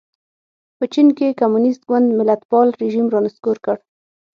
په چین کې کمونېست ګوند ملتپال رژیم را نسکور کړ.